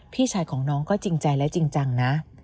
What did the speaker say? พี่ชายของน้องก็จริงใจและจริงจังนะ